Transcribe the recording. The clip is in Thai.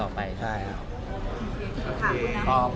ใช่ครับ